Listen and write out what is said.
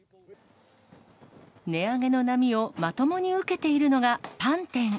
値上げの波をまともに受けているのがパン店。